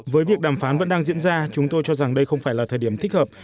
với việc đàm phán vẫn đang diễn ra chúng tôi cho rằng đây không phải là thời điểm thích hợp